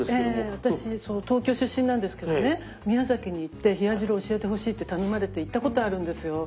私そう東京出身なんですけどね宮崎に行って冷や汁を教えてほしいって頼まれて行ったことあるんですよ。